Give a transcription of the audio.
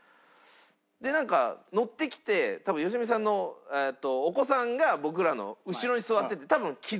でなんか乗ってきて多分良純さんのお子さんが僕らの後ろに座ってて多分気付いたんですよ。